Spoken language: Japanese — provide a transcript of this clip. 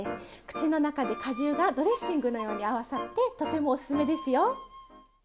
口の中で果汁がドレッシングのように合わさってとてもおすすめですよ。